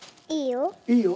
いいよ。